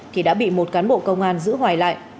thì đã bị một cán bộ công an giữ hoài lại